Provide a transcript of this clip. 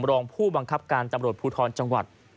รองผู้บังคับการตำรวจภูทรจังหวัด